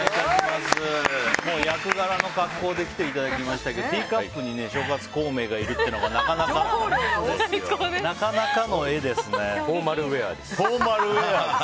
もう役柄の格好で来ていただきましたけどティーカップに諸葛孔明がいるっていうのがフォーマルウェアです。